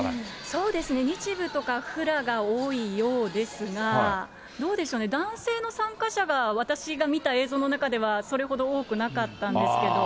そうですね、日舞とかフラが多いようですが、どうでしょうね、男性の参加者が、私が見た映像の中では、それほど多くなかったんですけど。